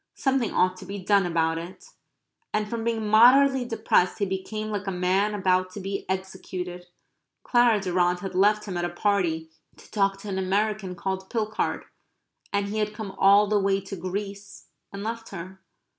Something ought to be done about it. And from being moderately depressed he became like a man about to be executed. Clara Durrant had left him at a party to talk to an American called Pilchard. And he had come all the way to Greece and left her.